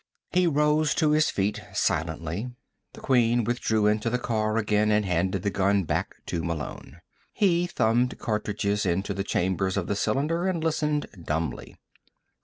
He rose to his feet silently. The Queen withdrew into the car again and handed the gun back to Malone. He thumbed cartridges into the chambers of the cylinder and listened dumbly.